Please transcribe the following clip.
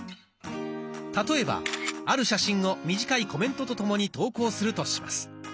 例えばある写真を短いコメントとともに投稿するとします。